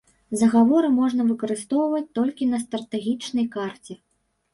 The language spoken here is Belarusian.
Загаворы можна выкарыстоўваць толькі на стратэгічнай карце.